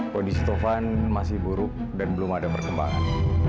kondisi tovan masih buruk dan belum ada perkembangan